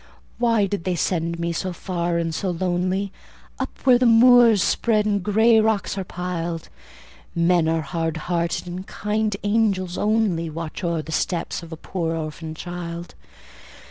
Why did they send me so far and so lonely, Up where the moors spread and grey rocks are piled? Men are hard hearted, and kind angels only Watch o'er the steps of a poor orphan child.